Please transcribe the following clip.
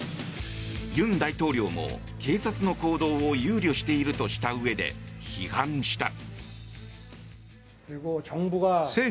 尹大統領も警察の行動を憂慮しているとしたうえで批判した。